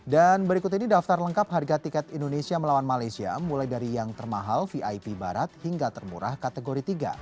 dan berikut ini daftar lengkap harga tiket indonesia melawan malaysia mulai dari yang termahal vip barat hingga termurah kategori tiga